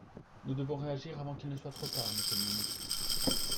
Nous devons réagir avant qu’il ne soit trop tard, monsieur le ministre.